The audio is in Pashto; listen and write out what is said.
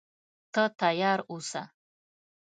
ته تیار اوسه.